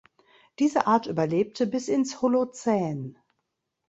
Diese Art überlebte bis ins Holozän.